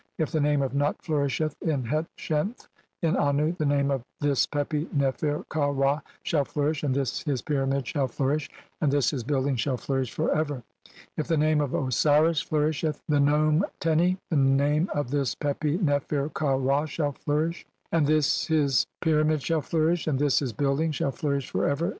If the name "of Nut flourisheth in Het Shenth in Annu, the name of "this Pepi Nefer ka Ra shall flourish, and this his "pyramid shall flourish, and this his building shall "flourish for ever. If the name of Osiris flourisheth in "the nome Teni, the name of this Pepi Nefer ka Ra "shall flourish, and this his pyramid shall flourish, and "this his building shall flourish forever.